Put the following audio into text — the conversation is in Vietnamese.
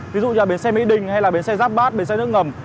ví dụ như bến xe mỹ đình hay là bến xe giáp bát bến xe nước ngầm